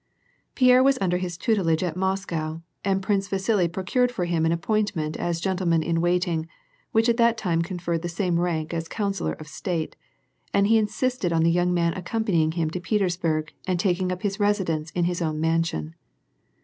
Pierre was under his tutelage at Moscow, and Prince Vasili procured for him an appointment as gentleman in waiting, which at that time conferred the same rank as Councillor of State, and hg insisted on the young man accompanying him to P(^tersburg and taking up his residence in his own mansion.